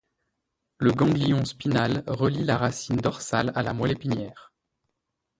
Le ganglion spinal relie la racine dorsale à la moelle épinière.